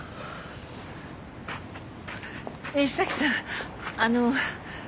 西崎さんあの。